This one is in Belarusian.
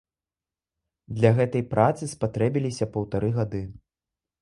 Для гэтай працы спатрэбіліся паўтары гады.